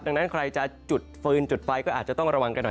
ดังนั้นใครจะจุดฟืนจุดไฟก็อาจจะต้องระวังกันหน่อย